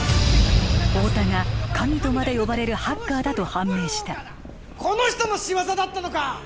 太田が神とまで呼ばれるハッカーだと判明したこの人の仕業だったのか！